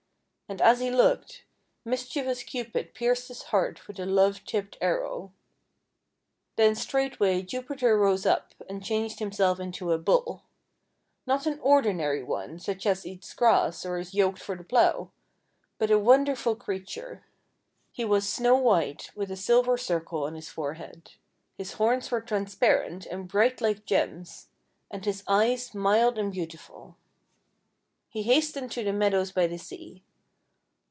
And as he looked, mischievous Cupid pierced his heart with a love tipped arrow. Then straightway Jupiter rose up, and changed himself into a Bull; not an ordinary one such as eats grass or is yoked for the plough, but a wonderful creature. He was snow white, with a silver circle on his forehead. His horns were transparent and bright like gems, and his eyes mild and beautiful. He hastened to the meadows by the sea.